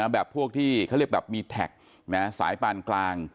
พวกที่เขาเรียกแบบมีแท็กสายปานกลาง